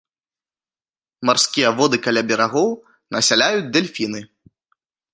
Марскія воды каля берагоў насяляюць дэльфіны.